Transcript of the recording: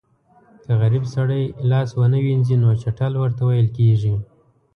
که غریب سړی لاس ونه وینځي نو چټل ورته ویل کېږي.